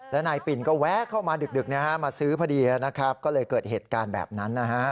แล้วนายปิ่นก็แวะเข้ามาดึกมาซื้อพอดีนะครับก็เลยเกิดเหตุการณ์แบบนั้นนะฮะ